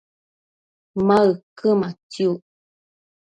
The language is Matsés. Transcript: ma uquëmatsiuc?